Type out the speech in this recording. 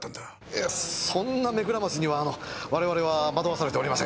いやそんな目くらましにはあの我々は惑わされておりません。